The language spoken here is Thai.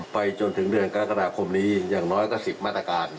ไปจนถึงเดือนกรกฎาคมนี้อย่างน้อยก็๑๐มาตรการ